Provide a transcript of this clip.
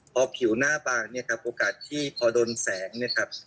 พอผิวหน้าบางเนี่ยครับโอกาสที่พอโดนแสงเนี่ยครับ